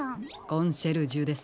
コンシェルジュです。